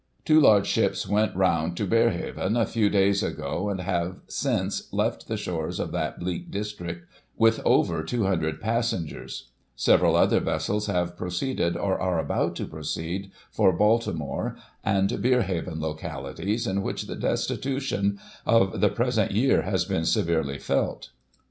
Two large ships went round to Berehaven, a few days ago, and have, since, left the shores of that bleak district, with over 200 pas Digiti ized by Google 1846] EMIGRATION. 293 sengers. Several other vessels have proceeded, or are about to proceed, for Baltimore and Berehaven, localities in which the destitution of the present year has been severely felt.